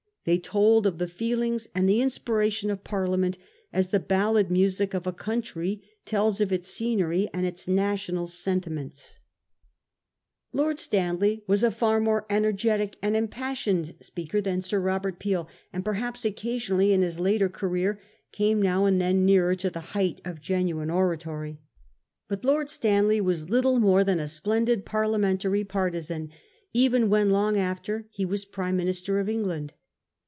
They told of the feelings and the inspiration of Parliament as the ballad music of a country tells of its scenery and its national sentiments. 1837. LORD STANLEY. 41 Lord Stanley was a far more energetic and im passioned speaker than Sir Robert Peel, and perhaps occasionally, in his later career, came now and then nearer to the height of genuine oratory. But Lord Stanley was little more than a splendid Parliamentary partisan, even when, long after, he was Prime Min ister of England.